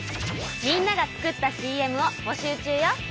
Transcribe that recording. みんなが作ったＣＭをぼしゅう中よ。